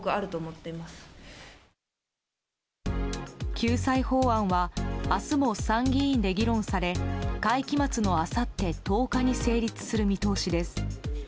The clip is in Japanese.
救済法案は明日も参議院で議論され会期末のあさって１０日に成立する見通しです。